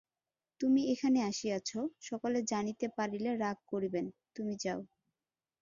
তুমি এখানে আসিয়াছ, সকলে জানিতে পারিলে রাগ করিবেন–তুমি যাও।